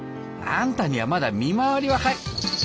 あんたにはまだ見回りは早。